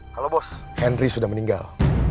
kalau bos henry sudah meninggal